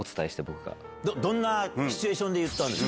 どんなシチュエーションで言ったんです？